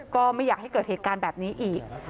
ก็ไม่อยากให้เกิดเหตุการณ์แบบนี้อีก